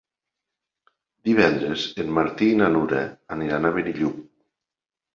Divendres en Martí i na Nura aniran a Benillup.